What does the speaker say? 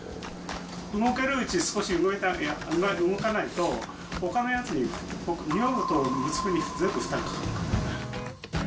動けるうちに少し動かないと、ほかのやつに、女房と娘に全部負担がかかるから。